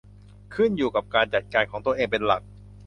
ขึ้นอยู่กับการจัดการของตัวเองเป็นหลัก